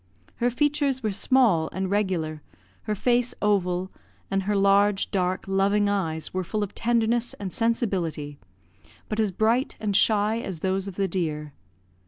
Her features were small and regular, her face oval, and her large, dark, loving eyes were full of tenderness and sensibility, but as bright and shy as those of the deer.